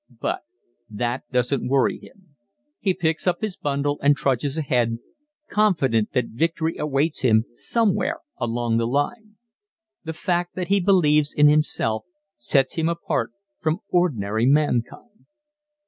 But that doesn't worry him. He picks up his bundle and trudges ahead, confident that victory awaits him somewhere along the line. The fact that he believes in himself, sets him apart from ordinary mankind.